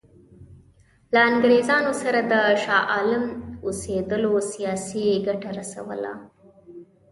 له انګرېزانو سره د شاه عالم اوسېدلو سیاسي ګټه رسوله.